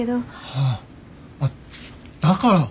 あだから。